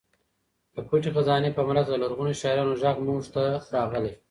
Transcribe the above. د پټې خزانې په مرسته د لرغونو شاعرانو غږ موږ ته راغلی.